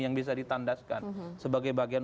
yang bisa ditandaskan sebagai bagian